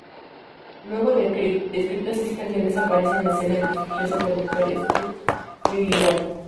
Luego de escritas seis canciones aparece en escena el prestigioso productor Steve Lillywhite.